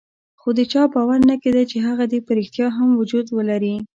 خو د چا باور نه کېده چې هغه دې په ريښتیا هم وجود ولري.